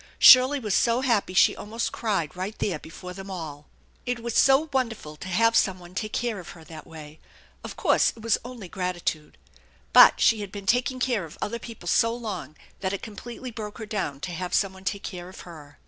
Shirley was so happy she almost cried right there before them all. It was so wonderful to have some one take care of her that way. Of course it was only gratitude but she had been taking care of other people so long that it completely broke her down to have some one take care of her.